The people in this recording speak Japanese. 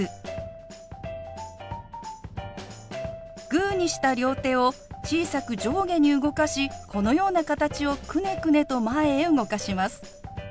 グーにした両手を小さく上下に動かしこのような形をくねくねと前へ動かします。